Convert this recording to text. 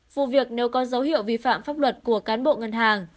vụ việc nếu có dấu hiệu vi phạm pháp luật của cán bộ ngân hàng